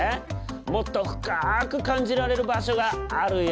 もっと深く感じられる場所があるよ。